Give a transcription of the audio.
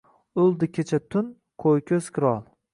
O‘ldi kecha tun qo‘yko‘z qirol.